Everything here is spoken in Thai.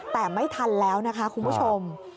แต่ไม่ทันแล้วนะคะคุณผู้ชม